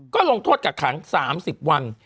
ก็ลงโทษกักขัง๓๐วัน